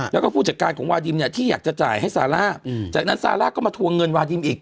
แล้วก็ผู้จัดการของวาดิมเนี่ยที่อยากจะจ่ายให้ซาร่าจากนั้นซาร่าก็มาทวงเงินวาดิมอีก